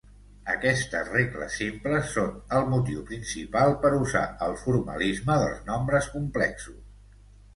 Aquestes regles simples són el motiu principal per usar el formalisme dels nombres complexos.